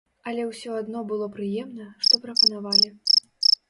Але ўсё адно было прыемна, што прапанавалі.